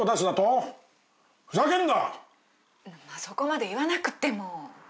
そこまで言わなくっても。